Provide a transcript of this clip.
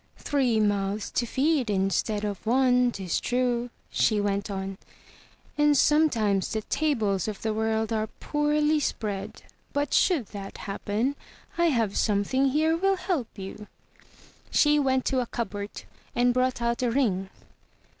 "Three mouths to feed instead of one, 'tis true," she went on; "and sometimes the tables of the world are poorly spread. But should that happen, I have something here will help you." She went to a cupboard and brought out a ring.